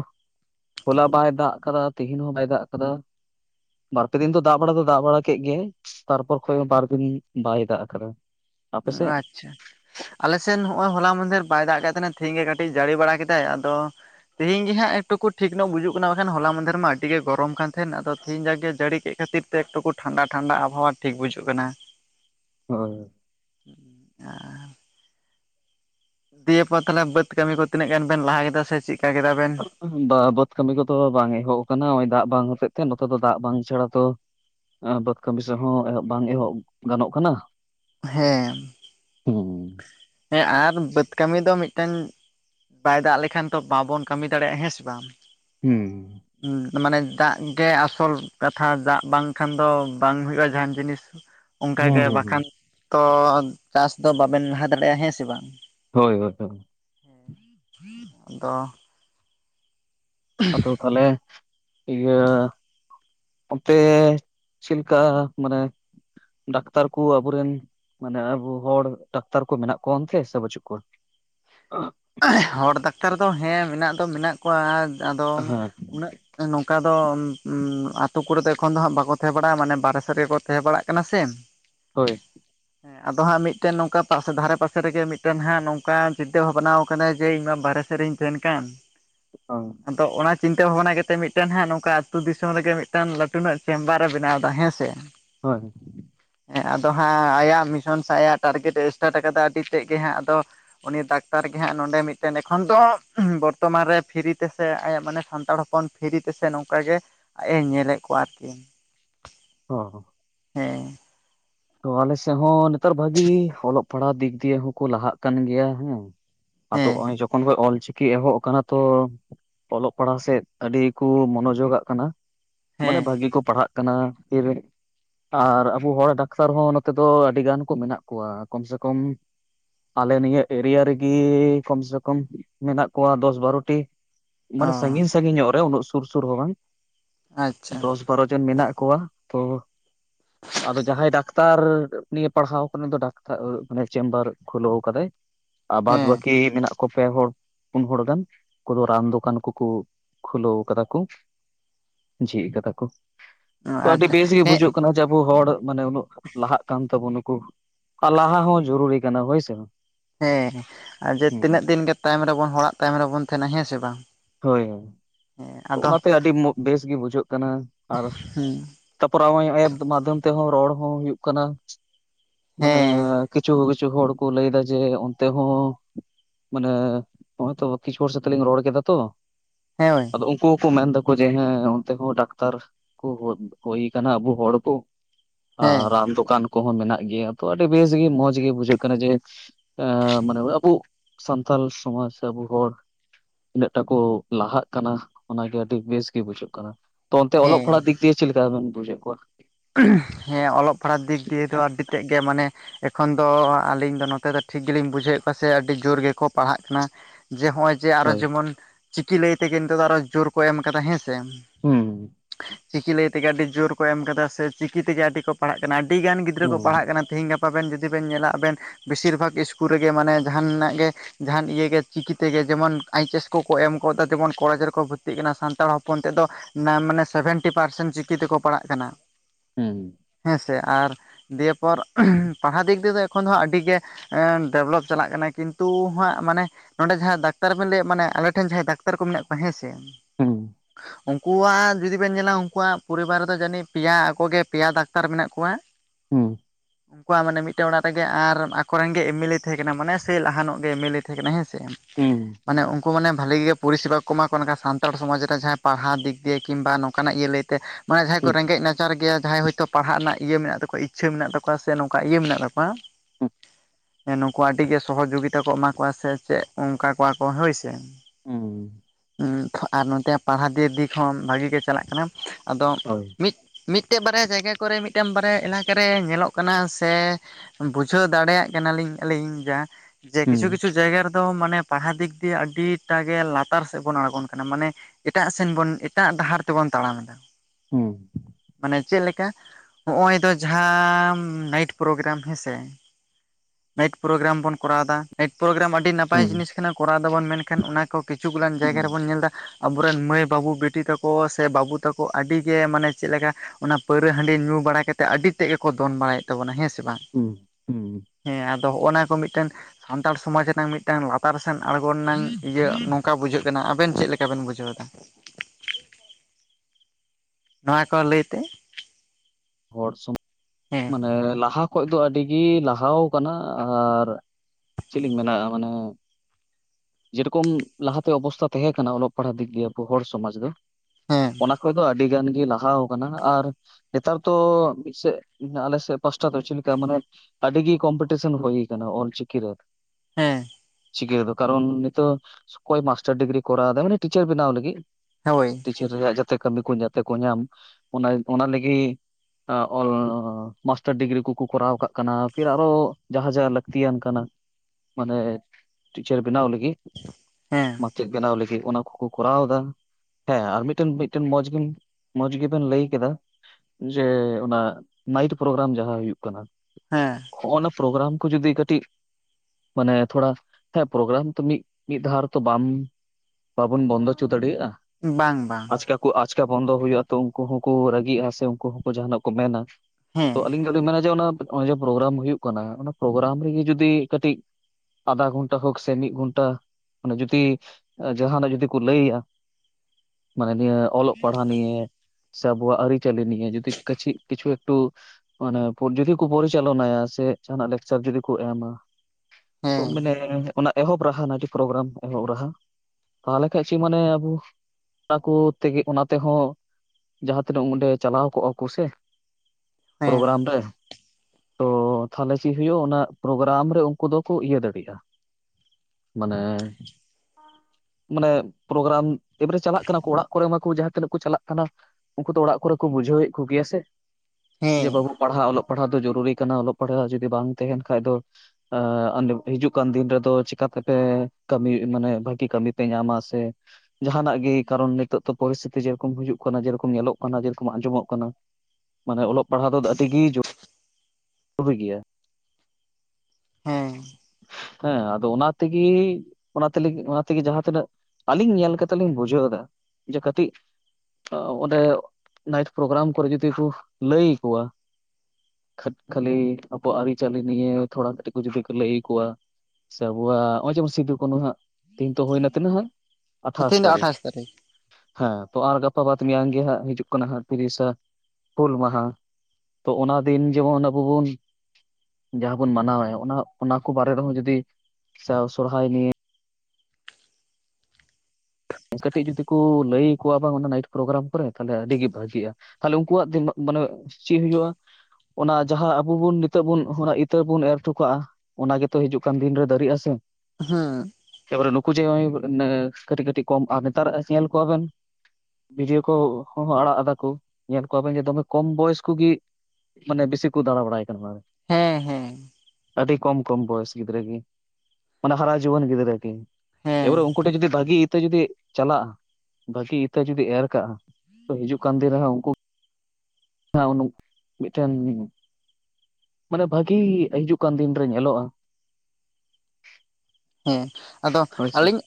ᱦᱚᱞᱟ ᱵᱟᱭ ᱫᱟᱜ ᱠᱟᱫᱟ ᱛᱤᱦᱤᱧ ᱦᱚᱸ ᱵᱟᱭ ᱫᱟᱜ ᱠᱟᱫᱟ᱾ ᱵᱟᱨᱯᱮ ᱫᱤᱱ ᱫᱚ ᱫᱟᱜ ᱵᱟᱲᱟ ᱫᱚ ᱫᱟᱜ ᱵᱟᱲᱟ ᱠᱮᱫ ᱜᱮᱭᱟᱭ ᱛᱟᱨᱯᱚᱨ ᱠᱷᱚᱡ ᱵᱟᱨ ᱫᱤᱱ ᱵᱟᱭ ᱫᱟᱜ ᱟᱠᱟᱫᱟ᱾ ᱟᱯᱮᱥᱮᱫ ᱟᱪᱪᱷᱟ ᱟᱞᱮᱥᱮᱱ ᱦᱚᱜᱚᱭ ᱦᱚᱞᱟ ᱢᱟᱫᱷᱮᱨ ᱵᱟᱭ ᱫᱟᱜ ᱠᱟᱛᱟᱦᱮᱱᱟ ᱛᱤᱦᱧ ᱜᱮ ᱠᱟᱹᱴᱤᱡ ᱡᱟᱹᱲᱤ ᱵᱟᱲᱟ ᱠᱮᱫᱟᱭ ᱟᱫᱚ ᱛᱦᱤᱧ ᱜᱮ ᱦᱟᱸᱜ ᱮᱠ ᱴᱩᱠᱩ ᱴᱷᱤᱠ ᱧᱚᱜ ᱵᱩᱡᱩᱜ ᱠᱟᱱᱟ ᱵᱟᱠᱷᱟᱱ ᱦᱚᱞᱟ ᱢᱟᱫᱷᱮᱨ ᱢᱟ ᱟᱹᱰᱤ ᱜᱮ ᱜᱚᱨᱚᱢ ᱠᱟᱱ ᱛᱟᱦᱮᱫ ᱟᱫᱚ ᱛᱤᱦᱤᱧ ᱡᱟᱜᱮ ᱡᱟᱹᱲᱤ ᱠᱮᱫ ᱠᱷᱟᱹᱛᱤᱨ ᱛᱮ ᱴᱩᱠᱩ ᱴᱷᱟᱱᱰᱟ ᱴᱷᱟᱱᱰᱟ ᱟᱵᱚᱦᱚᱣᱟ ᱴᱷᱤᱠ ᱵᱩᱡᱩᱜ ᱠᱟᱱᱟ᱾ ᱦᱳᱭ ᱦᱮ ᱫᱤᱭᱮ ᱯᱚᱨ ᱛᱟᱞᱦᱮ ᱵᱟᱹᱫ ᱠᱟᱹᱢᱤ ᱠᱚ ᱛᱤᱱᱟᱹᱜ ᱜᱟᱱ ᱵᱮᱱ ᱞᱟᱦᱟ ᱠᱮᱫᱟ ᱥᱮ ᱪᱮᱫᱠᱟ ᱠᱮᱫᱟ ᱵᱮᱱ? ᱵᱟ ᱵᱟᱹᱫ ᱠᱟᱹᱢᱤ ᱠᱚᱫᱚ ᱵᱟᱝ ᱮᱦᱚᱵ ᱠᱟᱱᱟ ᱚᱜᱚᱭ ᱫᱟᱜ ᱵᱟᱝ ᱦᱚᱛᱮᱡ ᱛᱮ ᱱᱚᱛᱮ ᱫᱚ ᱫᱟᱜ ᱵᱟᱝ ᱪᱷᱟᱲᱟ ᱛᱚ ᱵᱟᱹᱛ ᱠᱟᱹᱢᱤ ᱥᱮᱜ ᱦᱚᱸ ᱮᱦᱚᱵ ᱵᱟᱝ ᱮᱦᱚᱵ ᱜᱟᱱᱚᱜ ᱠᱟᱱᱟ᱾ ᱦᱮᱸ ᱦᱩᱸ ᱦᱮᱸ ᱟᱨ ᱵᱟᱹᱫᱽ ᱠᱟᱹᱢᱤ ᱫᱚ ᱢᱤᱫ ᱴᱮᱱ ᱵᱟᱭ ᱫᱟᱜ ᱞᱮᱠᱷᱟᱱ ᱛᱚ ᱵᱟᱵᱚᱱ ᱠᱟᱹᱢᱤ ᱫᱟᱲᱮᱭᱟᱜᱼᱟ ᱦᱮᱸ ᱥᱮ ᱵᱟᱝ᱾ ᱦᱩᱸ ᱢᱟᱱᱮ ᱫᱟᱜ ᱜᱮ ᱟᱥᱚᱞ ᱠᱟᱛᱷᱟ ᱫᱟᱜ ᱵᱟᱝᱠᱷᱟᱱ ᱫᱚ ᱵᱟᱝ ᱦᱩᱭᱩᱜᱼᱟ ᱡᱟᱦᱟᱱ ᱡᱤᱱᱤᱥ᱾ ᱦᱩᱸ ᱚᱱᱠᱟᱜᱮ ᱦᱩᱸ ᱦᱩᱸ ᱵᱟᱠᱷᱟᱱ ᱛᱚ ᱪᱟᱥ ᱫᱚ ᱵᱟᱵᱮᱱ ᱞᱟᱦᱟ ᱫᱟᱲᱮᱜᱼᱟ ᱦᱮᱸ ᱥᱮ ᱵᱟᱝ? ᱦᱳᱭ ᱦᱳᱭ ᱦᱳᱭ ᱟᱫᱚ ᱟᱫᱚ ᱛᱟᱞᱦᱮ ᱤᱭᱟᱹ ᱚᱱᱛᱮ ᱪᱮᱫ ᱞᱮᱠᱟ ᱢᱟᱱᱮ ᱰᱟᱠᱛᱟᱨ ᱠᱩ ᱟᱵᱚᱨᱮᱱ ᱢᱟᱱᱮ ᱟᱵᱚ ᱦᱚᱲ ᱰᱟᱠᱛᱟᱨ ᱠᱚ ᱢᱮᱱᱟᱜ ᱠᱚᱣᱟ ᱚᱱᱛᱮ ᱥᱮ ᱵᱟᱹᱪᱩᱜ ᱠᱚᱣᱟ? ᱦᱚᱲ ᱰᱟᱠᱛᱟᱨ ᱫᱚ ᱦᱮᱸ ᱢᱮᱱᱟᱜ ᱫᱚ ᱢᱮᱱᱟᱜ ᱠᱚᱣᱟ ᱟᱫᱚᱢ ᱦᱮᱸ ᱩᱱᱟᱹᱜ ᱱᱚᱝᱠᱟ ᱫᱚ ᱟᱛᱳ ᱠᱚᱨᱮ ᱫᱚ ᱮᱠᱷᱚᱱ ᱫᱚ ᱦᱟᱸᱜ ᱵᱟᱠᱚ ᱛᱟᱦᱮᱸ ᱵᱟᱲᱟᱜᱼᱟ ᱢᱟᱱᱮ ᱵᱟᱨᱦᱮ ᱥᱮᱫ ᱨᱮᱜᱮ ᱠᱚ ᱛᱟᱦᱮᱸ ᱵᱟᱲᱟᱜ ᱠᱟᱱᱟ ᱥᱮ᱾ (unintelligible) ᱦᱳᱭ ᱦᱮᱸ ᱟᱫᱚ ᱦᱟᱸᱜ ᱢᱤᱫᱴᱮᱱ ᱱᱚᱝᱠᱟ ᱯᱟᱥᱮ ᱫᱷᱟᱨᱮ ᱯᱟᱥᱮ ᱨᱮᱜᱮ ᱢᱤᱫᱴᱮᱱ ᱦᱟᱸᱜ ᱱᱚᱝᱠᱟ ᱪᱤᱱᱛᱟᱹ ᱵᱷᱟᱵᱱᱟ ᱠᱟᱱᱟ ᱡᱮ ᱤᱧ ᱢᱟ ᱵᱟᱨᱮ ᱥᱮᱫ ᱨᱤᱧ ᱛᱟᱦᱮᱱ ᱠᱟᱱ᱾ ᱚᱻ ᱟᱫᱚ ᱚᱱᱟ ᱪᱤᱱᱛᱟᱹ ᱵᱷᱟᱵᱱᱟ ᱠᱟᱛᱮᱫ ᱢᱤᱫᱴᱮᱱ ᱦᱟᱸᱜ ᱱᱚᱝᱠᱟ ᱟᱹᱛᱩ ᱫᱤᱥᱚᱢ ᱨᱮᱜᱮ ᱢᱤᱫᱴᱟᱱ ᱞᱟᱹᱴᱩ ᱱᱟᱜ ᱪᱮᱢᱵᱟᱨᱮ ᱵᱮᱱᱟᱣ ᱮᱫᱟ ᱦᱮᱸ ᱥᱮ᱾ ᱦᱳᱭ ᱦᱮᱸ ᱟᱫᱚ ᱦᱟᱸᱜ ᱟᱭᱟᱜ ᱢᱤᱥᱚᱱ ᱥᱮ ᱟᱭᱟᱜ ᱴᱟᱨᱜᱮᱴ ᱮᱥᱴᱟᱴ ᱠᱟᱫᱟ ᱟᱹᱰᱤ ᱛᱮᱫ ᱜᱮ ᱦᱟᱸᱜ ᱟᱫᱚ ᱩᱱᱤ ᱰᱟᱠᱛᱟᱨ ᱦᱟᱸᱜ ᱱᱚᱸᱰᱮ ᱢᱤᱫᱴᱮᱱ ᱮᱠᱷᱚᱱ ᱫᱚ ᱵᱚᱨᱛᱚᱢᱟᱱ ᱨᱮ ᱯᱷᱨᱤ ᱛᱮ ᱥᱮ ᱟᱭᱟᱜ ᱢᱟᱱᱮ ᱥᱟᱱᱛᱟᱲ ᱦᱚᱯᱚᱱ ᱯᱷᱨᱤ ᱛᱮ ᱥᱮ ᱱᱚᱝᱠᱟ ᱜᱮ ᱟᱡ ᱮ ᱧᱮᱞᱮᱫ ᱠᱚᱣᱟ ᱟᱨᱠᱤ᱾ ᱚ ᱦᱮᱸ ᱛᱚ ᱟᱞᱮᱥᱮᱫ ᱦᱚᱸ ᱱᱮᱛᱟᱨ ᱵᱷᱟᱜᱤ ᱚᱞᱚᱜ ᱯᱟᱲᱦᱟᱜ ᱫᱤᱠ ᱫᱤᱭᱮ ᱦᱚᱸᱠᱚ ᱞᱟᱦᱟᱜ ᱠᱟᱱ ᱜᱮᱭᱟ ᱦᱮᱸ᱾ ᱟᱫᱚ ᱦᱮᱸ ᱱᱚᱜ-ᱚᱭ ᱡᱚᱠᱷᱚᱱ ᱠᱷᱚᱡ ᱚᱞ ᱪᱤᱠᱤ ᱠᱤ ᱮᱦᱚᱵ ᱟᱠᱟᱱᱟ ᱛᱚ ᱚᱞᱚᱜ ᱯᱟᱲᱦᱟᱜ ᱥᱮᱫ ᱟᱹᱰᱤ ᱠᱚ ᱢᱚᱱᱚᱡᱳᱜᱟᱜ ᱠᱟᱱᱟ᱾ ᱢᱟᱱᱮ ᱦᱮᱸ ᱵᱷᱟᱹᱜᱤ ᱠᱚ ᱯᱟᱲᱦᱟᱜ ᱠᱟᱱᱟ ᱯᱷᱤᱨ ᱟᱨ ᱟᱵᱚ ᱦᱚᱲ ᱰᱟᱠ ᱰᱟᱠᱛᱟᱨ ᱦᱚᱸ ᱱᱚᱛᱮ ᱫᱚ ᱟᱹᱰᱤ ᱜᱟᱱ ᱠᱚ ᱢᱮᱱᱟᱜ ᱠᱚᱣᱟ ᱠᱚᱢ ᱥᱮ ᱠᱚᱢ ᱟᱞᱮ ᱱᱤᱭᱟᱹ ᱮᱨᱤᱭᱟ ᱨᱮᱜᱤ ᱠᱚᱢ ᱥᱮ ᱠᱚᱢ ᱢᱮᱱᱟᱜ ᱠᱚᱣᱟ ᱫᱚᱥ ᱵᱟᱨᱚᱴᱤ᱾ ᱚ ᱢᱟᱱᱮ ᱥᱟᱺᱜᱤᱧ ᱥᱟᱺᱜᱤᱧ ᱧᱚᱜ ᱨᱮ ᱩᱱᱟᱹᱜ ᱥᱩᱨ ᱥᱩᱨ ᱦᱚᱸ ᱵᱟᱝ ᱟᱪᱪᱷᱟ ᱫᱚᱥ ᱵᱟᱨᱚᱡᱚᱱ ᱢᱮᱱᱟᱜ ᱠᱚᱣᱟ ᱛᱚ ᱟᱫᱚ ᱡᱟᱦᱟᱸᱭ ᱰᱟᱠ ᱰᱟᱠᱛᱟᱨ ᱱᱤᱭᱟᱹ ᱯᱟᱲᱦᱟᱣ ᱠᱷᱚᱱ ᱫᱚ ᱰᱟᱠᱛᱟᱨ ᱪᱮᱢᱵᱟᱨ ᱠᱷᱩᱞᱟᱹᱣ ᱠᱟᱫᱟᱭ᱾ ᱟᱨ ᱵᱟᱫ ᱦᱮᱸ ᱵᱟᱹᱠᱤ ᱢᱮᱱᱟᱜ ᱠᱚᱣᱟ ᱯᱮ ᱦᱚᱲ ᱯᱩᱱ ᱦᱚᱲ ᱜᱟᱱ᱾ ᱩᱱᱠᱩ ᱫᱚ ᱨᱟᱱ ᱫᱚᱠᱟᱱ ᱠᱚᱠᱚ ᱠᱷᱩᱞᱟᱹᱣ ᱠᱟᱫᱟ ᱠᱚ ᱡᱷᱤᱡ ᱠᱟᱫᱟ ᱠᱚ᱾ ᱛᱚ ᱟᱹᱰᱤ ᱟᱪᱪᱷᱟ ᱵᱮᱥ ᱜᱮ ᱦᱮᱸ ᱵᱩᱡᱷᱩᱜ ᱠᱟᱱᱟ ᱡᱮ ᱟᱵᱚ ᱦᱚᱲ ᱢᱟᱱᱮ ᱩᱱᱟᱹᱜ ᱠᱚ ᱞᱟᱦᱟᱜ ᱠᱟᱱ ᱛᱟᱵᱚᱱᱟᱠᱩ᱾ ᱟᱨ ᱞᱟᱦᱟ ᱦᱚᱸ ᱡᱟᱹᱨᱩᱨᱤ ᱠᱟᱱᱟ ᱦᱳᱭ ᱥᱮ᱾ ᱦᱮᱸ ᱡᱮ ᱛᱤᱱᱟᱹᱜ ᱫᱤᱱ ᱜᱮ ᱛᱟᱭᱚᱢ ᱨᱮᱵᱚᱱ ᱦᱚᱲᱟᱜ ᱛᱟᱭᱚᱢ ᱨᱮᱵᱚᱱ ᱛᱟᱦᱮᱱᱟ ᱦᱮᱸ ᱥᱮ ᱵᱟᱝ᱾ ᱦᱳᱭ ᱦᱮᱸ ᱟᱫᱚ ᱚᱱᱟᱛᱮ ᱟᱹᱰᱤ ᱵᱮᱥ ᱜᱮ ᱵᱩᱡᱷᱟᱹᱜ ᱠᱟᱱᱟ ᱟᱨ ᱦᱮᱸ ᱛᱟᱯᱚᱨ ᱱᱚᱜᱚᱭ ᱮᱯ ᱢᱟᱫᱽᱫᱷᱚᱢ ᱛᱮᱦᱚᱸ ᱨᱚᱲ ᱦᱚᱸ ᱦᱩᱭᱩᱜ ᱠᱟᱱᱟ᱾ ᱢᱟᱱᱮ ᱦᱮᱸ ᱠᱤᱪᱷᱩ ᱠᱤᱪᱷᱩ ᱦᱚᱲ ᱠᱚ ᱞᱟᱹᱭᱫᱟ ᱡᱮ ᱚᱱᱛᱮ ᱦᱚᱸ ᱢᱟᱱᱮ ᱱᱚᱜᱚᱭ ᱛᱚ ᱠᱤᱪᱷᱩ ᱦᱚᱲ ᱥᱟᱛᱮᱜ ᱞᱤᱧ ᱨᱚᱲ ᱠᱮᱫᱟ ᱛᱚ᱾ ᱦᱮᱸ ᱦᱳᱭ ᱫᱚ ᱩᱱᱠᱩ ᱦᱚᱸᱠᱚ ᱢᱮᱱ ᱫᱟᱠᱚ ᱡᱮ ᱦᱮᱸ ᱚᱱᱛᱮ ᱦᱚᱸ ᱰᱟᱠᱛᱟᱨ (unintelligible) ᱦᱩᱭ ᱠᱟᱱᱟ ᱟᱵᱩ ᱦᱚᱲ ᱠᱩ ᱟᱨ ᱦᱮᱸ ᱨᱟᱱ ᱫᱚᱠᱟᱱ ᱠᱚᱦᱚᱸ ᱢᱮᱱᱟᱜ ᱜᱮᱭᱟ ᱛᱚ ᱟᱹᱰᱤ ᱵᱮᱥ ᱜᱮ ᱢᱚᱸᱡᱽ ᱜᱮ ᱵᱩᱡᱷᱟᱹᱜ ᱠᱟᱱᱟ ᱡᱮ, ᱮᱸᱻ ᱢᱟᱱᱮ ᱟᱵᱚ ᱥᱟᱱᱛᱟᱞ ᱥᱚᱢᱟᱡᱽ ᱥᱮ ᱟᱵᱚ ᱦᱚᱲ, ᱤᱱᱟᱹᱜ ᱴᱟᱠᱚ ᱞᱟᱦᱟᱜ ᱠᱟᱱᱟ ᱚᱱᱟᱜᱮ ᱟᱹᱰᱤ ᱵᱮᱥ ᱜᱮ ᱵᱩᱡᱷᱟᱹᱜ ᱠᱟᱱᱟ, ᱛᱚ ᱚᱱᱛᱮ ᱚᱞᱚᱜ ᱦᱮᱸ ᱯᱟᱲᱦᱟᱜ ᱫᱤᱠ ᱫᱤᱭᱮ ᱪᱮᱫ ᱞᱮᱠᱟ ᱵᱮᱱ ᱵᱩᱡᱮᱫ ᱠᱚᱣᱟ? ᱦᱮᱸ ᱚᱞᱚᱜ ᱯᱟᱲᱦᱟᱜ ᱫᱤᱠ ᱫᱤᱭᱮ ᱟᱹᱰᱤ ᱛᱮᱫ ᱜᱮ ᱢᱟᱱᱮ ᱮᱠᱷᱚᱱ ᱫᱚ ᱟᱹᱞᱤᱧ ᱫᱚ ᱱᱚᱛᱮ ᱫᱚ ᱴᱷᱤᱠ ᱜᱮᱞᱤᱧ ᱵᱩᱡᱷᱟᱹᱣᱮᱫ ᱠᱚᱣᱟ ᱥᱮ ᱟᱹᱰᱤ ᱡᱳᱨ ᱜᱮᱠᱚ ᱯᱟᱲᱦᱟᱜ ᱠᱟᱱᱟ ᱾ ᱡᱮ ᱦᱚᱸᱜᱼᱚᱭ ᱡᱮ ᱟᱨᱚ ᱦᱳᱭ ᱡᱮᱢᱚᱱ ᱪᱤᱠᱤ ᱞᱟᱹᱭ ᱛᱮᱜᱮ ᱱᱤᱛᱚᱜ ᱟᱨᱚ ᱡᱳᱨ ᱠᱚ ᱮᱢ ᱠᱟᱫᱟ ᱦᱮᱸᱥᱮ, ᱦᱩᱸ ᱪᱤᱠᱤ ᱞᱟᱹᱭ ᱛᱮᱜᱮ ᱟᱹᱰᱤ ᱡᱳᱨ ᱠᱚ ᱮᱢ ᱠᱟᱫᱟ ᱥᱮ ᱪᱤᱠᱤ ᱛᱮᱜᱮ ᱟᱹᱰᱤ ᱠᱚ ᱯᱟᱲᱦᱟᱜ ᱠᱟᱱᱟ ᱟᱹᱰᱤ ᱜᱟᱱ ᱜᱤᱫᱽᱨᱟᱹ ᱠᱚ ᱦᱩᱸ ᱯᱟᱲᱦᱟᱜ ᱠᱟᱱᱟ ᱾ ᱛᱤᱦᱤᱧ ᱜᱟᱯᱟ ᱵᱮᱱ ᱡᱩᱫᱤ ᱵᱮᱱ ᱧᱮᱞᱟ ᱟᱵᱮᱱ ᱵᱮᱥᱤᱨ ᱵᱷᱟᱜᱽ ᱤᱥᱠᱩᱞ ᱨᱮᱜᱮ ᱢᱟᱱᱮ ᱡᱟᱦᱟᱱᱟᱜ ᱜᱮ ᱡᱟᱦᱟᱱ ᱤᱭᱟᱹᱜᱮ ᱪᱤᱠᱤ ᱛᱮᱜᱮ ᱡᱮᱢᱚᱱ ᱟᱭᱤᱪ ᱮᱥ ᱠᱚᱠᱚ ᱮᱢ ᱜᱚᱫᱟ ᱡᱮᱢᱚᱱ ᱠᱚᱞᱮᱡᱽ ᱨᱮᱠᱚ ᱵᱷᱚᱨᱛᱤᱜ ᱠᱟᱱᱟ ᱥᱟᱱᱛᱟᱲ ᱦᱚᱯᱚᱱ ᱛᱮᱫᱚ ᱢᱟᱱᱮ ᱥᱮᱵᱷᱮᱱᱴᱤ ᱯᱟᱨᱥᱮᱱ ᱪᱤᱠᱤ ᱛᱮᱠᱚ ᱯᱟᱲᱟᱜ ᱠᱟᱱᱟ ᱾ ᱦᱩᱸ ᱦᱮᱸ ᱥᱮ ᱟᱨ ᱫᱤᱭᱮᱯᱚᱨ ᱯᱟᱲᱦᱟᱣ ᱫᱤᱠ ᱫᱤᱭᱮ ᱮᱠᱷᱚᱱ ᱫᱚ ᱟᱹᱰᱤ ᱜᱮ ᱰᱮᱵᱷᱞᱚᱯ ᱪᱟᱞᱟᱜ ᱠᱟᱱᱟ, ᱠᱤᱱᱛᱩ ᱦᱟᱸᱜ ᱢᱟᱱᱮ ᱱᱚᱸᱰᱮ ᱡᱟᱦᱟᱸᱭ ᱰᱟᱠᱛᱟᱨ ᱵᱮᱱ ᱞᱟᱹᱭ ᱮᱫ ᱢᱟᱱᱮ ᱟᱞᱮ ᱴᱷᱮᱱ ᱡᱟᱦᱟᱸᱭ ᱰᱟᱠᱛᱟᱨ ᱠᱚ ᱢᱮᱱᱟᱜ ᱠᱚᱣᱟ ᱦᱮᱸ ᱥᱮ ᱦᱩᱸ ᱩᱱᱠᱩᱣᱟᱜ ᱡᱩᱫᱤ ᱵᱮᱱ ᱧᱮᱞᱟ ᱩᱱᱠᱩᱣᱟᱜ ᱯᱚᱨᱤᱵᱟᱨ ᱨᱮᱫᱚ ᱡᱟᱹᱱᱤᱡ ᱯᱮᱭᱟ ᱟᱠᱚᱜᱮ ᱯᱮᱭᱟ ᱰᱟᱠᱛᱟᱨ ᱢᱮᱱᱟᱜ ᱠᱚᱣᱟ, ᱦᱩᱸ ᱩᱱᱠᱩᱣᱟᱜ ᱢᱟᱱᱮ ᱢᱤᱫᱴᱮᱱ ᱚᱲᱟᱜ ᱨᱮᱜᱮ ᱟᱨ ᱟᱠᱚᱨᱮᱱ ᱜᱮ ᱮᱢᱮᱞᱮ ᱛᱟᱦᱮᱸ ᱠᱟᱱᱟ ᱢᱟᱱᱮ ᱥᱮ ᱞᱟᱦᱟᱱᱚᱜ ᱜᱮ ᱮᱢᱞᱮ ᱛᱟᱦᱮᱸ ᱠᱟᱱᱟ ᱦᱮᱸᱥᱮ ᱾ ᱦᱩᱸ ᱢᱟᱱᱮ ᱩᱱᱠᱩ ᱢᱟᱱᱮ ᱵᱷᱟᱹᱞᱮ ᱜᱮ ᱯᱚᱨᱤᱥᱮᱵᱟ ᱠᱚ ᱮᱢᱟ ᱠᱚᱣᱟ ᱢᱮᱱ ᱥᱟᱱᱛᱟᱲ ᱥᱚᱢᱟᱡᱽ ᱨᱮ ᱡᱟᱦᱟᱸᱭ ᱯᱟᱲᱦᱟᱣ ᱫᱤᱠ ᱫᱤᱭᱮ ᱠᱤᱢᱵᱟ ᱱᱚᱝᱠᱟ ᱱᱟᱜ ᱤᱭᱟᱹ ᱞᱟᱹᱭᱛᱮ ᱢᱟᱱᱮ ᱡᱟᱦᱟᱸᱭ ᱠᱚ ᱨᱮᱸᱜᱮᱡ ᱦᱩᱸ ᱱᱟᱪ ᱱᱟᱪᱟᱨ ᱜᱮᱭᱟ ᱡᱟᱦᱟᱸᱭ ᱦᱳᱭᱛᱳ ᱯᱟᱲᱦᱟᱜ ᱨᱮᱱᱟᱜ ᱤᱭᱟᱹ ᱢᱮᱱᱟᱜ ᱛᱟᱠᱚᱣᱟ ᱤᱪᱪᱷᱟᱹ ᱢᱮᱱᱟᱜ ᱛᱟᱠᱚᱣᱟ ᱥᱮ ᱱᱚᱝᱠᱟ ᱤᱭᱟᱹ ᱢᱮᱱᱟᱜ ᱛᱟᱠᱚᱣᱟ ᱮᱜ ᱱᱩᱠᱩ ᱟᱹᱰᱤ ᱜᱮ ᱥᱚᱦᱚᱡᱳᱜᱤᱛᱟ ᱠᱚ ᱮᱢᱟ ᱠᱚᱣᱟ ᱥᱮ ᱪᱮᱫ ᱚᱱᱠᱟ ᱠᱚᱣᱟ ᱠᱚ ᱦᱳᱭ ᱥᱮ ᱦᱩᱸ ᱾ ᱟᱨ ᱱᱚᱛᱮ ᱯᱟᱲᱦᱟᱣ ᱫᱤᱭᱮ ᱫᱤᱠ ᱦᱚᱸ ᱵᱷᱟᱜᱮ ᱜᱮ ᱪᱟᱞᱟᱜ ᱠᱟᱱᱟ ᱟᱫᱚ ᱦᱳᱭ ᱢᱤᱫ ᱢᱤᱫᱴᱮᱱ ᱵᱟᱨᱭᱟ ᱡᱟᱭᱜᱟ ᱠᱚᱨᱮ ᱢᱤᱫᱴᱮᱱ ᱵᱟᱨᱭᱟ ᱮᱞᱟᱠᱟᱨᱮ ᱧᱮᱞᱚᱜ ᱠᱟᱱᱟ ᱥᱮ ᱵᱩᱡᱷᱟᱹᱣ ᱫᱟᱲᱮᱭᱟᱜ ᱠᱟᱱᱟᱞᱤᱧ ᱟᱹᱞᱤᱧ ᱡᱟ ᱡᱮ ᱦᱩᱸ ᱠᱤᱪᱷᱩ ᱠᱤᱪᱷᱩ ᱡᱟᱭᱜᱟ ᱨᱮᱫᱚ ᱢᱟᱱᱮ ᱯᱟᱲᱦᱟᱜ ᱫᱤᱠ ᱫᱤᱭᱮ ᱟᱹᱰᱤᱴᱟᱜ ᱜᱮ ᱞᱟᱛᱟᱨ ᱥᱮᱫ ᱵᱚᱱ ᱟᱲᱜᱚᱱ ᱠᱟᱱᱟ, ᱢᱟᱱᱮ ᱮᱴᱟᱜ ᱥᱮᱱ ᱵᱚᱱ ᱮᱴᱟᱜ ᱰᱟᱦᱟᱨ ᱛᱮᱵᱚᱱ ᱛᱟᱲᱟᱢ ᱮᱫᱟ ᱾ ᱦᱩᱸ ᱢᱟᱱᱮ ᱪᱮᱫ ᱞᱮᱠᱟ ᱦᱚᱜ-ᱭ ᱫᱚ ᱡᱟᱦᱟᱸ ᱱᱟᱭᱤᱴ ᱯᱨᱳᱜᱨᱟᱢ ᱦᱮᱸᱥᱮ, ᱱᱟᱭᱤᱴ ᱯᱨᱳᱜᱨᱟᱢ ᱵᱚᱱ ᱠᱚᱨᱟᱣ ᱫᱟ, ᱱᱟᱭᱤᱴ ᱯᱨᱳᱜᱨᱟᱢ ᱟᱹᱰᱤ ᱱᱟᱯᱟᱭ ᱦᱩᱸ ᱡᱤᱱᱤᱥ ᱠᱟᱱᱟ ᱠᱚᱨᱟᱣ ᱫᱟᱵᱚᱱ ᱢᱮᱱᱠᱷᱟᱱ ᱚᱱᱟ ᱠᱚ ᱠᱤᱪᱷᱩ ᱜᱚᱞᱟᱱ ᱡᱟᱭᱜᱟ ᱨᱮᱵᱚᱱ ᱦᱩᱸ ᱧᱮᱞ ᱫᱟ ᱟᱵᱚᱨᱮᱱ ᱢᱟᱹᱭ ᱵᱟᱹᱵᱩ ᱵᱤᱴᱤ ᱛᱟᱠᱚ ᱥᱮ ᱵᱟᱹᱵᱩ ᱛᱟᱠᱚ ᱟᱹᱰᱤ ᱜᱮ ᱢᱟᱱᱮ ᱪᱮᱫ ᱞᱮᱠᱟ ᱚᱱᱟ ᱯᱟᱹᱣᱟᱹ ᱦᱟᱺᱰᱤ ᱧᱩ ᱵᱟᱲᱟ ᱠᱟᱛᱮᱫ ᱟᱹᱰᱤ ᱛᱮᱫ ᱜᱮᱠᱚ ᱫᱚᱱ ᱵᱟᱲᱟᱭᱮᱫ ᱛᱟᱵᱚᱱᱟ ᱦᱮᱸ ᱥᱮ ᱵᱟᱝ ᱾ ᱦᱩᱸ ᱦᱮᱸ ᱟᱫᱚ ᱦᱚᱜ-ᱱᱟ ᱠᱚ ᱢᱤᱫᱴᱮᱱ ᱥᱟᱱᱛᱟᱲ ᱥᱚᱢᱟᱡᱽ ᱨᱮᱱᱟᱜ ᱢᱤᱫᱴᱟᱝ ᱞᱟᱛᱟᱨ ᱥᱮᱱ ᱟᱬᱜᱚᱱᱟ ᱤᱭᱟᱹ ᱱᱚᱝᱠᱟ ᱵᱩᱡᱷᱟᱹᱜ ᱠᱟᱱᱟ ᱟᱵᱮᱱ ᱪᱮᱫ ᱞᱮᱠᱟ ᱵᱮᱱ ᱵᱩᱡᱷᱟᱹᱣ ᱫᱟ? ᱱᱚᱣᱟ ᱠᱚ ᱞᱟᱹᱭ ᱛᱮ, ᱦᱚᱲ ᱥᱚᱢ ᱢᱟᱱᱮ ᱞᱟᱦᱟ ᱠᱷᱚᱡ ᱫᱚ ᱟᱹᱰᱤ ᱜᱤ ᱞᱟᱦᱟ ᱟᱠᱟᱱᱟ ᱟᱨ ᱪᱮᱫ ᱞᱤᱧ ᱢᱮᱱᱟᱜᱼᱟ ᱢᱟᱱᱮ ᱡᱮᱨᱚᱠᱚᱢ ᱞᱟᱦᱟᱛᱮ ᱚᱵᱚᱥᱛᱟ ᱛᱟᱦᱮᱸ ᱠᱟᱱᱟ ᱚᱞᱚᱜ ᱯᱟᱲᱦᱟᱜ ᱫᱤᱠ ᱫᱤᱭᱮ ᱟᱵᱚ ᱦᱚᱲ ᱥᱚᱢᱟᱡ ᱫᱚ ᱦᱮᱸ ᱚᱱᱟ ᱠᱷᱚᱱ ᱫᱚ ᱟᱹᱰᱤ ᱜᱟᱱ ᱜᱮ ᱞᱟᱦᱟ ᱠᱟᱱᱟ ᱟᱨ ᱱᱮᱛᱟᱨ ᱫᱚ ᱢᱤᱫ ᱥᱮᱫ ᱟᱞᱮ ᱥᱮᱫ ᱯᱟᱥᱴᱟ ᱫᱚ ᱪᱮᱫ ᱞᱮᱠᱟ ᱢᱟᱱᱮ ᱟᱹᱰᱤᱜᱮ ᱠᱚᱢᱯᱤᱴᱤᱥᱚᱱ ᱦᱩᱭ ᱟᱠᱟᱱᱟ ᱚᱞᱪᱤᱠᱤ ᱨᱮ ᱾ ᱦᱮᱸ᱾ ᱪᱤᱠᱟᱹᱭ ᱫᱚ ᱠᱟᱨᱚᱱ ᱱᱤᱛᱚᱜ ᱚᱠᱚᱭ ᱢᱟᱥᱴᱟᱨ ᱰᱤᱜᱽᱨᱤ ᱠᱚᱨᱟᱣ ᱫᱟᱭ ᱢᱟᱱᱮ ᱴᱤᱪᱟᱨ ᱵᱮᱱᱟᱣ ᱞᱟᱹᱜᱤᱫ᱾ ᱦᱳᱭ᱾ ᱠᱤᱪᱷ ᱨᱮᱭᱟᱜ ᱡᱟᱛᱮ ᱠᱟᱹᱢᱤ ᱠᱚ ᱡᱟᱛᱮ ᱠᱚ ᱧᱟᱢ᱾ ᱚᱱᱟ ᱚᱱᱟ ᱞᱟᱹᱜᱤᱫ ᱚᱞ ᱢᱟᱥᱴᱟᱨ ᱰᱤᱸᱜᱽᱨᱤ ᱠᱚᱠᱚ ᱠᱚᱨᱟᱣ ᱠᱟᱜ ᱠᱟᱱᱟ ᱯᱷᱤᱨ ᱟᱨᱚ ᱡᱟᱦᱟᱸ ᱡᱟ ᱞᱟᱹᱠᱛᱤᱭᱟᱱ ᱠᱟᱱᱟ᱾ ᱢᱟᱱᱮ ᱴᱤᱪᱟᱨ ᱵᱮᱱᱟᱣ ᱞᱟᱹᱜᱤᱫ᱾ ᱦᱮᱸ᱾ ᱢᱟᱪᱮᱫ ᱵᱮᱱᱟᱣ ᱞᱟᱹᱜᱤᱫ, ᱚᱱᱟ ᱠᱚᱠᱚ ᱠᱚᱨᱟᱣ ᱮᱫᱟ᱾ ᱦᱮᱸ ᱟᱨ ᱢᱤᱫᱴᱮᱱ ᱢᱤᱫᱴᱮᱱ ᱢᱚᱸᱡᱽ ᱜᱮ ᱢᱚᱸᱡᱽ ᱜᱮᱵᱮᱱ ᱞᱟᱹᱭ ᱠᱮᱫᱟ ᱡᱮ ᱚᱱᱟ ᱱᱟᱭᱤᱴ ᱯᱨᱳᱜᱨᱟᱢ ᱡᱟᱦᱟᱸ ᱦᱩᱭᱩᱜ ᱠᱟᱱᱟ᱾ ᱦᱮᱸ ᱚᱱᱟ ᱯᱨᱳᱜᱨᱟᱢ ᱠᱚ ᱡᱩᱫᱤ ᱠᱟᱹᱴᱤᱡ ᱢᱟᱱᱮ ᱛᱷᱚᱲᱟ ᱦᱮ ᱯᱨᱳᱜᱨᱟᱢ ᱛᱚ ᱢᱤᱫ ᱢᱤᱫ ᱫᱷᱟᱣ ᱛᱚ ᱵᱟ ᱵᱟᱵᱚᱱ ᱵᱚᱱᱫᱚ ᱦᱚᱪᱚ ᱫᱟᱲᱮᱭᱟᱜᱼᱟ᱾ ᱵᱟᱝ, ᱵᱟᱝ᱾ ᱟᱪᱠᱟ ᱠᱚ, ᱟᱪᱠᱟ ᱵᱚᱱᱫᱚ ᱦᱩᱭᱩᱜᱼᱟ ᱛᱚ, ᱩᱱᱠᱩ ᱦᱚᱸᱠᱚ ᱨᱟᱹᱜᱤᱜᱼᱟ ᱥᱮ ᱩᱱᱠᱩ ᱦᱚᱸᱠᱚ ᱡᱟᱦᱟᱱᱟᱜ ᱠᱚ ᱢᱮᱱᱟ᱾ ᱛᱚ ᱦᱮᱸ ᱟᱹᱞᱤᱧ ᱫᱚᱞᱤᱧ ᱢᱮᱱᱟ ᱡᱮ ᱚᱱᱟ ᱱᱚᱜᱼᱚᱭ ᱡᱮ ᱯᱨᱳᱜᱨᱟᱢ ᱦᱩᱭᱩᱜ ᱠᱟᱱᱟ᱾ ᱚᱱᱟ ᱯᱨᱳᱜᱨᱟᱢ ᱨᱮᱜᱮ ᱡᱩᱫᱤ ᱠᱟᱹᱴᱤᱡ ᱟᱫᱷᱟ ᱜᱷᱚᱱᱴᱟ ᱜᱷᱟᱴᱟ ᱦᱳᱠ ᱥᱮ ᱢᱤᱫ ᱜᱷᱚᱱᱴᱟ ᱢᱟᱱᱮ ᱡᱩᱫᱤ ᱡᱟᱦᱟᱱᱟᱜ ᱡᱩᱫᱤ ᱠᱚ ᱞᱟᱹᱭᱟ ᱢᱟᱱᱮ ᱱᱤᱭᱟᱹ ᱚᱞᱚᱜ ᱯᱟᱲᱦᱟᱜ ᱱᱤᱭᱮ ᱥᱮ ᱟᱵᱚᱣᱟ ᱟᱨᱤ ᱪᱟᱞᱤ ᱱᱤᱭᱟᱹ ᱡᱩᱫᱤ ᱠᱤᱪᱷᱩ ᱮᱴᱩ ᱢᱟᱱᱮ ᱡᱩᱫᱤ ᱠᱚ ᱯᱚᱨᱤᱪᱟᱞᱚᱱᱟᱭᱟ ᱥᱮ ᱡᱟᱦᱱᱟᱜ ᱞᱮᱠᱪᱟᱨ ᱡᱩᱫᱤ ᱠᱚ ᱮᱢᱟ᱾ ᱦᱮᱸ ᱢᱟᱱᱮ ᱚᱱᱟ ᱮᱦᱚᱵ ᱨᱟᱦᱟ, ᱯᱨᱳᱜᱨᱟᱢ ᱮᱦᱚᱵ ᱨᱟᱦᱟ ᱛᱟᱦᱚᱞᱮ ᱠᱷᱟᱱ ᱪᱮᱫ ᱢᱟᱱᱮ ᱟᱵᱚ ᱚᱱᱟ ᱠᱚ ᱛᱮᱜᱮ ᱚᱱᱟ ᱛᱮᱦᱚᱸ ᱡᱟᱦᱟᱸ ᱛᱤᱱᱟᱹᱜ ᱚᱸᱰᱮ ᱪᱟᱞᱟᱣ ᱠᱚᱜᱼᱟ, ᱠᱚᱥᱮ ᱦᱮᱸ ᱯᱨᱳᱜᱨᱟᱢ ᱨᱮ ᱛᱚ ᱛᱟᱦᱚᱞᱮ ᱪᱮᱫ ᱦᱩᱭᱩᱜᱼᱟ᱾ ᱚᱱᱟ ᱯᱨᱳᱜᱨᱟᱢ ᱨᱮ ᱩᱱᱠᱩ ᱫᱚᱠᱚ ᱤᱭᱟᱹ ᱫᱟᱲᱤᱭᱟᱜ-ᱟ᱾ ᱢᱟᱱᱮ ᱢᱟᱱᱮ ᱯᱨᱳᱜᱨᱟᱢ ᱮᱵᱟᱨᱮ ᱪᱟᱞᱟᱜ ᱠᱟᱱᱟ ᱠᱚ ᱚᱲᱟᱜ ᱠᱚᱨᱮ ᱮᱢᱟ ᱠᱚ ᱡᱟᱦᱟᱸ ᱛᱤᱱᱟᱹᱜ ᱠᱚ ᱪᱟᱞᱟᱜ ᱠᱟᱱᱟ᱾ ᱩᱱᱠᱩ ᱫᱚ ᱚᱲᱟᱜ ᱠᱚᱨᱮ ᱠᱚ ᱵᱩᱡᱷᱟᱹᱣ ᱮᱫ ᱠᱚ ᱜᱮᱭᱟ ᱥᱮ ᱡᱮ ᱦᱮᱸ ᱵᱟᱹᱵᱩ ᱯᱟᱲᱦᱟᱣ ᱚᱞᱚᱜ ᱚᱞᱚᱜ ᱯᱟᱲᱦᱟᱜ ᱫᱚ ᱡᱩᱨᱤ ᱠᱟᱱᱟ᱾ ᱚᱞᱚᱜ ᱯᱟᱲᱦᱟᱜ ᱡᱩᱫᱤ ᱵᱟᱝ ᱛᱟᱦᱮᱱ ᱠᱷᱟᱱᱡ ᱫᱚ ᱮ ᱦᱤᱡᱩᱜ ᱠᱟᱱ ᱫᱤᱱ ᱨᱮᱫᱚ ᱪᱤᱠᱟ ᱛᱮᱯᱮ ᱠᱟᱹᱢᱤ ᱢᱟᱱᱮ ᱵᱷᱟᱹᱜᱤ ᱠᱟᱹᱢᱤ ᱯᱮ ᱧᱟᱢᱟ ᱥᱮ ᱡᱟᱦᱟᱱᱟᱜ ᱜᱮ ᱠᱟᱨᱚᱱ ᱱᱤᱛ ᱯᱚᱨᱤᱥᱛᱷᱤᱛᱤ ᱡᱮᱨᱚᱠᱚᱢ ᱦᱤᱡ ᱠᱟᱱᱟ, ᱡᱮᱨᱚᱠᱚᱢ ᱧᱮᱞᱚᱜ ᱠᱟᱱᱟ, ᱡᱮᱨᱚᱠᱚᱢ ᱟᱸᱡᱚᱢᱚᱜ ᱠᱟᱱᱟ, ᱢᱟᱱᱮ ᱚᱞᱚᱜ ᱯᱟᱲᱦᱟᱜ ᱫᱚ ᱟᱹᱰᱤᱜᱤ ᱡᱚᱴᱤᱞ ᱜᱮᱭᱟ᱾ ᱦᱮᱸ᱾ ᱦᱮᱸ ᱟᱫᱚ ᱚᱱᱟ ᱛᱮᱜᱮ ᱚᱱᱟ ᱛᱮ, ᱚᱱᱟ ᱛᱮᱜᱮ ᱡᱟᱦᱟᱸ ᱛᱤᱱᱟᱹᱜ ᱟᱹᱞᱤᱧ ᱧᱮᱞ ᱠᱟᱛᱮᱜ ᱞᱤᱧ ᱵᱩᱡᱷᱟᱹᱣ ᱮᱫᱟ, ᱡᱮ ᱠᱟᱹᱴᱤᱡ ᱚᱸᱰᱮ ᱱᱟᱭᱤᱴ ᱯᱨᱳᱜᱨᱟᱢ ᱠᱚᱨᱮ ᱡᱩᱫᱤ ᱠᱚ ᱞᱟᱹᱭ ᱟᱠᱚᱣᱼᱟ᱾ ᱠᱷᱟᱹᱞᱤ ᱟᱵᱚ ᱟᱹᱨᱤ-ᱪᱟᱹᱞᱤ ᱱᱤᱭᱮ ᱛᱷᱚᱲᱟ ᱠᱟᱹᱴᱤᱡ ᱠᱚ ᱡᱩᱫᱤ ᱠᱚ ᱞᱟᱹᱭ ᱟᱠᱚᱣᱼᱟ᱾ ᱥᱮ ᱟᱵᱚᱣᱟᱜ ᱱᱚᱜᱼᱚᱭ ᱡᱮᱢᱚᱱ ᱥᱤᱫᱩ, ᱠᱟᱹᱱᱦᱩ ᱦᱟᱸᱜ ᱛᱮᱦᱮᱧ ᱦᱩᱭᱱᱟ ᱛᱤᱱᱟᱹᱜ ᱦᱟᱸᱜ ᱟᱴᱷᱟᱥ ᱛᱟᱹᱨᱤᱠᱷ᱾ ᱦᱮᱸ ᱛᱚ ᱟᱨ ᱜᱟᱯᱟ ᱵᱟᱫᱽ ᱢᱮᱭᱟᱝ ᱜᱮ ᱦᱟᱸᱜ ᱦᱤᱡᱩᱜ ᱠᱟᱱᱟᱜ ᱛᱤᱨᱤᱥᱟ ᱦᱩᱞ ᱢᱟᱦᱟ᱾ ᱛᱚ ᱚᱱᱟ ᱫᱤᱱ ᱡᱮᱢᱚᱱ ᱟᱵᱚ ᱵᱚᱱ᱾ ᱡᱟᱦᱟᱸ ᱵᱚᱱ ᱢᱟᱱᱟᱣ ᱣᱟ ᱚᱱᱟ ᱠᱚ ᱨᱮᱦᱚᱸ ᱡᱩᱫᱤ ᱥᱚᱨᱦᱟᱭ ᱱᱤᱭ ᱠᱟᱹᱴᱤᱡ ᱡᱩᱫᱤ ᱠᱚ ᱞᱟᱹᱭ ᱟᱠᱚᱣᱼᱟ ᱵᱟᱝ ᱚᱱᱟ ᱱᱟᱭᱤᱴ ᱯᱨᱳᱜᱨᱟᱢ ᱠᱚᱨᱮ ᱛᱟᱦᱚᱞᱮ ᱟᱹᱰᱤ ᱜᱮ ᱵᱷᱟᱹᱜᱤᱜᱼᱟ᱾ ᱛᱟᱦᱚᱞᱮ ᱩᱱᱠᱩᱣᱟᱜ ᱢᱟᱱᱮ ᱪᱮᱫ ᱦᱩᱭᱩᱜᱼᱟ? ᱚᱱᱟ ᱡᱟᱦᱟᱸ ᱟᱵᱚ ᱵᱚᱱ ᱱᱤᱛᱚᱜ ᱵᱩᱱ ᱚᱱᱟ ᱤᱛᱟᱹ ᱵᱩᱱ ᱮᱨ ᱦᱚᱴᱚ ᱠᱟᱜᱼᱟ᱾ ᱚᱱᱟ ᱜᱮ ᱛᱚ ᱦᱤᱡᱩᱜ ᱠᱟᱱ ᱫᱤᱱ ᱨᱮ ᱫᱟᱨᱤᱜᱼᱟ ᱥᱮ᱾ ᱦᱮᱸ ᱾ ᱮᱯᱚᱨᱮ ᱱᱩᱠᱩ ᱡᱮ ᱠᱟᱹᱴᱤᱡ ᱠᱟᱹᱴᱤᱡ ᱠᱚᱢ, ᱟᱨ ᱱᱮᱛᱟᱨ ᱧᱮᱞ ᱠᱚᱣᱟᱵᱮᱱᱼᱼ ᱵᱷᱤᱰᱭᱳ ᱠᱚ ᱦᱚᱸ ᱟᱲᱟᱜ ᱮᱫᱟ ᱠᱚ ᱧᱮᱞ ᱠᱚᱣᱟᱵᱮᱱ ᱡᱮ ᱫᱚᱢᱮ ᱠᱚᱢ ᱵᱚᱭᱮᱥ ᱠᱚᱜᱮᱼᱼ ᱢᱟᱱᱮ ᱵᱤᱥᱤ ᱠᱚ ᱫᱟᱲ ᱵᱟᱲᱟᱭ ᱠᱟᱱᱟ ᱾ ᱦᱮᱸ ᱦᱮᱸ ᱟᱹᱰᱤ ᱠᱚᱢ ᱠᱚᱢ ᱵᱚᱭᱮᱥ ᱜᱤᱫᱽᱨᱟᱹ ᱜᱮ ᱾ ᱢᱟᱱᱮ ᱦᱟᱨᱟ ᱡᱩᱣᱟᱹᱱ ᱜᱤᱫᱽᱨᱟᱹ ᱜᱮ, ᱦᱮᱸ ᱤᱵᱟᱨᱮ ᱩᱱᱠᱩ ᱡᱚᱫᱤ ᱵᱷᱟᱹᱜᱤᱼᱼ ᱤᱛᱟᱹ ᱡᱩᱫᱤ ᱪᱟᱞᱟᱜᱼᱟ, ᱵᱷᱟᱹᱜᱤ ᱤᱛᱟᱹ ᱡᱩᱫᱤ ᱮᱨ ᱠᱟᱜᱼᱟ ᱛᱚ ᱦᱤᱡᱩᱜ ᱠᱟᱱ ᱫᱤᱱ ᱨᱮᱦᱚᱸ ᱩᱱᱠᱩ ᱦᱮᱸ ᱢᱤᱫᱴᱮᱱ, ᱢᱟᱱᱮ ᱵᱷᱟᱜᱤ ᱦᱤᱡᱩᱜ ᱠᱟᱱ ᱫᱤᱱ ᱨᱮ ᱧᱮᱞᱚᱜᱼᱟ ᱾ ᱦᱮᱸ ᱟᱫᱚ ᱦᱳᱭ ᱥᱮ ᱟᱹᱞᱤᱧᱼᱼ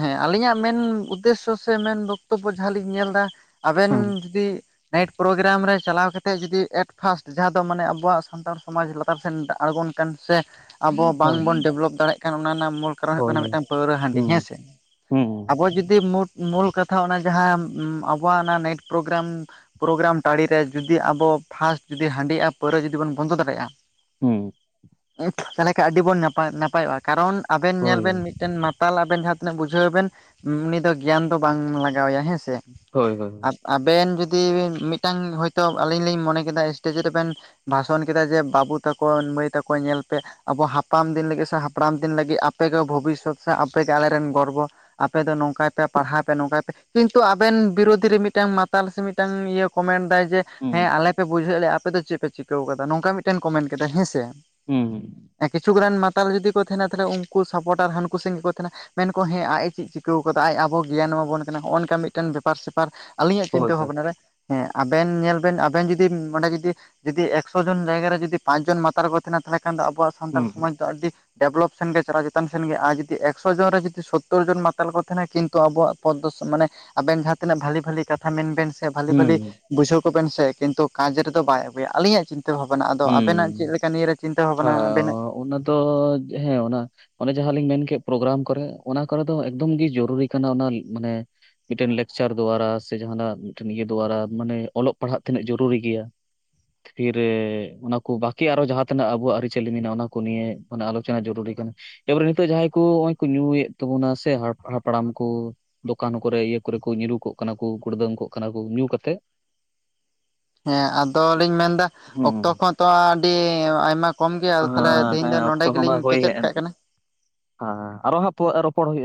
ᱦᱮᱸ ᱟᱹᱞᱤᱧᱟᱜ ᱢᱮᱱ ᱩᱫᱽᱫᱮᱥᱥᱚ ᱥᱮ ᱢᱮᱱ ᱵᱚᱠᱛᱚᱵᱽᱵᱚ ᱡᱟᱦᱟᱸ ᱞᱤᱧ ᱧᱮᱞ ᱮᱫᱟ ᱟᱵᱤᱱ ᱦᱮᱸ ᱡᱩᱫᱤ ᱱᱟᱭᱤᱴ ᱯᱨᱳᱜᱨᱟᱢ ᱨᱮ ᱪᱟᱞᱟᱣ ᱠᱟᱛᱮᱫ ᱡᱩᱫᱤ ᱮᱴ ᱯᱷᱟᱥᱴ ᱡᱟᱦᱟᱸ ᱫᱚ ᱢᱟᱱᱮ ᱟᱵᱚᱣᱟᱜ ᱥᱟᱱᱛᱟᱲ ᱥᱚᱢᱟᱡᱽ ᱞᱟᱛᱼᱼ ᱞᱟᱛᱟᱨ ᱥᱮᱱ ᱟᱬᱜᱚᱱ ᱠᱟᱱ ᱥᱮ ᱟᱵᱚ ᱦᱮᱸ ᱵᱟᱝᱵᱚᱱ ᱰᱮᱵᱷᱞᱚᱯ ᱫᱟᱲᱮᱭᱟᱜ ᱠᱟᱱ, ᱚᱱᱟ ᱨᱮᱱᱟᱜ ᱢᱩᱞ ᱠᱟᱨᱚᱱ ᱦᱩᱭᱩᱜ ᱦᱳᱭ ᱠᱟᱱᱟ ᱦᱳᱭ ᱢᱤᱫᱴᱟᱝ ᱯᱟᱹᱣᱨᱟᱹ, ᱦᱟᱺᱰᱤ ᱦᱩᱸ ᱦᱮᱸ ᱥᱮ ᱦᱩᱸ ᱾ ᱟᱵᱚ ᱡᱩᱫᱤ ᱢᱩᱴ ᱢᱩᱞ ᱠᱟᱛᱷᱟ ᱚᱱᱟ ᱡᱟᱦᱟᱸ ᱟᱵᱚᱣᱟᱜ ᱚᱱᱟ ᱱᱟᱭᱤᱴ ᱯᱨᱳᱜᱨᱟᱢᱼᱼ ᱯᱨᱳᱜᱨᱟᱢ ᱴᱟᱺᱰᱤ ᱨᱮ ᱡᱩᱫᱤ ᱟᱵᱚ ᱯᱷᱟᱥᱴ ᱡᱩᱫᱤ ᱦᱟᱺᱰᱤ ᱟᱨ ᱯᱟᱹᱣᱨᱟᱹ ᱡᱩᱫᱤ ᱵᱚᱱ ᱵᱚᱱᱫᱚ ᱫᱟᱲᱮᱭᱟᱜᱼᱟ ᱦᱩᱸ ᱾ ᱧᱩᱛ ᱛᱟᱦᱚᱞᱮ ᱠᱷᱟᱱ ᱟᱹᱰᱤ ᱵᱚᱱ ᱱᱟᱯᱟᱭ ᱱᱟᱯᱟᱭᱚᱜᱼᱟ ᱠᱟᱨᱚᱱ ᱟᱵᱮᱱ ᱧᱮᱞ ᱦᱳᱭ ᱵᱮᱱ ᱦᱳᱭ ᱢᱤᱫᱴᱮᱱ ᱢᱟᱛᱼᱼ ᱢᱟᱛᱟᱞ ᱟᱵᱮᱱ ᱡᱟᱦᱟᱸ ᱛᱤᱱᱟᱹᱜ ᱵᱩᱡᱷᱟᱹᱣ ᱵᱮᱱ ᱩᱱᱤ ᱫᱚ ᱜᱮᱭᱟᱱ ᱫᱚ ᱵᱟᱝ ᱞᱟᱜᱟᱣ ᱟᱭᱟ ᱦᱮᱸ ᱥᱮ ᱦᱳᱭ ᱦᱳᱭ ᱾ ᱟᱨ ᱟᱵᱮᱱ ᱡᱩᱫᱤ ᱢᱤᱫᱴᱟᱝ ᱦᱚᱭ ᱛᱚ ᱟᱹᱞᱤᱧ ᱞᱤᱧ ᱢᱚᱱᱮ ᱠᱮᱫᱟ ᱥᱴᱮᱡ ᱨᱮᱵᱮᱱ ᱵᱷᱟᱥᱚᱱ ᱠᱮᱫᱟ ᱡᱮ ᱵᱟᱹᱵᱩ ᱛᱟᱠᱚ, ᱢᱟᱹᱭ ᱛᱟᱠᱚ ᱧᱮᱞ ᱯᱮ ᱟᱵᱚ ᱦᱟᱯᱟᱢ ᱫᱤᱱ ᱞᱟᱹᱜᱤᱫ ᱥᱮ ᱦᱟᱯᱲᱟᱢ ᱫᱤᱱ ᱞᱟᱜᱤᱫ ᱟᱯᱮ ᱜᱮ ᱵᱷᱚᱵᱤᱥᱥᱚᱛ ᱥᱮ ᱟᱯᱮᱜᱮ ᱟᱞᱮᱨᱮᱱ ᱜᱚᱨᱵᱚ ᱟᱯᱮ ᱫᱚ ᱱᱚᱝᱠᱟᱭ ᱯᱮ ᱯᱟᱲᱦᱟᱣ ᱯᱮ ᱱᱚᱝᱠᱟᱭ ᱯᱮ, ᱠᱤᱱᱛᱩ ᱟᱵᱮᱱ ᱵᱤᱨᱳᱫᱷᱤ ᱨᱮ ᱢᱤᱫᱴᱟᱝ ᱢᱟᱛᱟᱞ ᱥᱮ ᱢᱤᱫᱴᱟᱝ ᱤᱭᱟᱹ ᱠᱚᱢᱮᱱᱴ ᱫᱟᱭ ᱡᱮ ᱦᱩᱸ ᱦᱮᱸ ᱟᱞᱮ ᱯᱮ ᱵᱩᱡᱷᱟᱹᱣ ᱞᱮᱭᱟ ᱟᱯᱮ ᱫᱚ ᱪᱮᱫ ᱯᱮ ᱪᱤᱠᱟᱹ ᱠᱟᱫᱟ, ᱱᱚᱝᱠᱟ ᱢᱤᱫᱴᱮᱱ ᱠᱚᱢᱮᱱᱴ ᱠᱮᱫᱟ ᱦᱮᱸᱥᱮ ᱾ ᱦᱩᱸ ᱦᱩᱸ ᱾ ᱠᱤᱪᱷᱩ ᱜᱟᱱ ᱢᱟᱛᱟᱞ ᱡᱩᱫᱤ ᱠᱚ ᱛᱟᱦᱮᱱᱟ ᱛᱟᱦᱚᱞᱮ ᱩᱱᱠᱩ ᱥᱟᱯᱚᱴᱟᱨ ᱦᱟᱹᱱᱠᱩ ᱥᱮᱫ ᱜᱮ ᱠᱚ ᱛᱟᱦᱮᱱᱟ ᱾ ᱢᱮᱱᱠᱚ ᱦᱮᱸ ᱟᱡ ᱪᱮᱫ ᱮ ᱪᱤᱠᱟᱹᱣ ᱠᱟᱫᱟ ᱟᱡ ᱟᱵᱚ ᱜᱮᱭᱟᱱ ᱮᱢᱟᱵᱚᱱ ᱠᱟᱱᱟ ᱱᱚᱜᱼᱚ ᱱᱚᱝᱠᱟ ᱢᱤᱫ ᱢᱤᱫᱴᱮᱱ ᱵᱮᱯᱟᱨ ᱥᱮᱯᱟᱨ ᱟᱞᱤᱧᱟᱜ ᱦᱳᱭ ᱪᱤᱱᱛᱟᱹ ᱦᱳᱭ ᱵᱷᱟᱵᱱᱟ ᱨᱮ, ᱦᱮᱸ ᱟᱵᱮᱱ ᱧᱮᱞ ᱵᱮᱱ ᱟᱵᱮᱱ ᱡᱩᱫᱤ ᱚᱸᱰᱮ ᱡᱩᱫᱤ ᱡᱩᱫᱤ ᱮᱠᱥᱚ ᱡᱚᱱ ᱡᱟᱭᱜᱟ ᱨᱮ ᱡᱩᱫᱤ ᱯᱟᱸᱪ ᱡᱚᱱ ᱢᱟᱛᱟᱨ ᱠᱚ ᱛᱟᱦᱮᱱᱟ ᱛᱟᱦᱚᱞᱮ ᱠᱷᱟᱱ ᱫᱚ ᱟᱵᱚᱣᱟᱜ ᱥᱟᱱᱛᱟᱲ ᱦᱩᱸ ᱥᱚᱢᱟᱡᱽ ᱫᱚ ᱟᱹᱰᱤ ᱰᱮᱵᱷᱞᱚᱯ ᱥᱮᱱ ᱜᱮ ᱪᱟᱞᱟᱣ ᱪᱮᱛᱟᱱ ᱥᱮᱱ ᱜᱮ, ᱟᱨ ᱡᱩᱫᱤ ᱮᱠᱥᱚ ᱡᱚᱱ ᱨᱮ ᱡᱩᱫᱤ ᱥᱳᱛᱛᱳᱨ ᱡᱚᱱ ᱢᱟᱛᱟᱞ ᱠᱚ ᱛᱟᱦᱮᱱᱟ ᱠᱤᱱᱛᱩ ᱟᱵᱚᱣᱟᱜ ᱯᱚᱫ ᱫᱚ ᱢᱟᱱᱮ ᱟᱵᱮᱱ ᱡᱟᱦᱟᱸ ᱛᱤᱱᱟᱹᱜ ᱵᱷᱟᱞᱤ ᱵᱷᱟᱞᱤ ᱠᱟᱛᱷᱟ ᱢᱮᱱ ᱵᱮᱱᱼᱼ ᱥᱮ ᱵᱷᱟᱞᱤ ᱦᱩᱸ ᱵᱷᱟᱞᱤ ᱵᱩᱡᱷᱟᱹᱣ ᱠᱚᱵᱮᱱ ᱥᱮ ᱠᱤᱱᱛᱩ ᱠᱟᱡᱽ ᱨᱮᱫᱚ ᱵᱟᱭ ᱟᱹᱜᱩᱭᱟ, ᱟᱞᱤᱧᱟᱜ ᱪᱤᱱᱛᱟᱹ ᱵᱷᱟᱵᱱᱟ ᱟᱫᱚ ᱟᱵᱮᱱᱟᱜ ᱪᱮᱫ ᱦᱩᱸ ᱞᱮᱠᱟ ᱱᱤᱭᱟᱹᱨᱮ ᱪᱤᱱᱛᱟᱹ ᱵᱷᱟᱵᱱᱟ ᱟᱵᱱᱟᱜ? ᱛᱚ ᱦᱮᱸ ᱚᱱᱟᱼᱼ ᱚᱱᱮ ᱡᱟᱦᱟᱸ ᱞᱤᱧ ᱢᱮᱱ ᱠᱮᱫ ᱯᱨᱳᱜᱨᱟᱢ ᱠᱚᱨᱮ ᱚᱱᱟ ᱠᱚᱨᱮ ᱫᱚ ᱮᱠᱫᱚᱢ ᱜᱮ ᱡᱚᱨᱩᱨᱤ ᱠᱟᱱᱟ, ᱚᱱᱟ ᱢᱟᱱᱮᱼᱼ ᱢᱤᱫᱴᱮᱱ ᱞᱟᱠᱪᱟᱨ ᱫᱩᱣᱟᱨᱟ ᱥᱮ ᱡᱟᱦᱟ ᱱᱟᱜ ᱢᱤᱫᱴᱮᱱ ᱤᱭᱟᱹ ᱫᱩᱣᱟᱨᱟ ᱢᱟᱱᱮ ᱚᱞᱚᱜ ᱯᱟᱲᱦᱟᱜ ᱛᱤᱱᱟᱹᱜ ᱡᱚᱨᱩᱨᱤ ᱜᱮᱭᱟ ᱾ ᱯᱷᱤᱨᱮ ᱚᱱᱟ ᱠᱚ ᱵᱟᱠᱤ ᱟᱨᱚ ᱡᱟᱦᱟᱸᱼᱼ ᱚᱱᱟ ᱟᱵᱚᱣᱟᱜ ᱟᱹᱨᱤᱪᱟᱹᱞᱤ ᱢᱮᱱᱟᱜᱼᱟ ᱚᱱᱟ ᱠᱚ ᱱᱤᱭᱮ ᱢᱟᱱᱮ ᱟᱞᱳᱪᱚᱱᱟ ᱡᱚᱨᱩᱨᱤ ᱠᱟᱱᱟ ᱾ ᱮᱵᱟᱨᱮ ᱱᱤᱛᱚᱜ ᱡᱟᱦᱟᱸᱭ ᱠᱚ ᱱᱚᱜ-ᱚᱭ ᱠᱚ ᱧᱩᱭᱮᱫ ᱛᱟᱵᱚᱱᱟ ᱥᱮ ᱦᱟᱯᱲᱟᱢ ᱠᱚᱼᱼ ᱫᱚᱠᱟᱱ ᱠᱚᱨᱮ ᱤᱭᱟᱹ ᱠᱚᱨᱮ ᱠᱚ ᱧᱩᱨᱩ ᱠᱚᱜ ᱠᱟᱱᱟ ᱠᱚ ᱜᱩᱲᱫᱟᱹᱢ ᱠᱚᱜ ᱠᱟᱱᱟ ᱠᱚ ᱧᱩ ᱠᱟᱛᱮ ᱾ ᱦᱮᱸ ᱟᱫᱚ ᱞᱤᱧ ᱢᱮᱱᱫᱟ ᱦᱮᱸ ᱚᱠᱛᱚ ᱠᱚᱦᱚᱸ ᱛᱚ ᱟᱹᱰᱤ ᱟᱭᱢᱟᱼᱼ ᱠᱚᱢ ᱜᱮᱭᱟ, ᱟᱫᱚ ᱛᱟᱦᱚᱞᱮ ᱛᱮᱦᱮᱧ ᱦᱮᱸ ᱫᱚ ᱱᱚᱰᱮ ᱚᱠᱛᱚ ᱦᱚᱸ ᱢᱟ ᱜᱮᱞᱤᱧ ᱦᱳᱭ ᱠᱮᱪᱮᱫ ᱦᱮᱡ ᱮᱱ ᱠᱟᱜ ᱠᱟᱱᱟ ᱾ ᱦᱮᱸ ᱟᱨᱚ ᱦᱟᱸᱜ ᱯᱚ ᱨᱚᱯᱚᱲ ᱦᱩᱭᱩᱜᱼᱟ ᱾